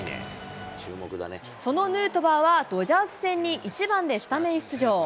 そのヌートバーは、ドジャース戦に１番でスタメン出場。